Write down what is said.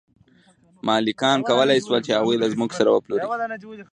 مالکانو کولی شول چې هغوی له ځمکو سره وپلوري.